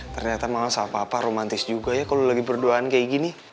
ternyata mama sama papa romantis juga ya kalau lagi berdoaan kayak gini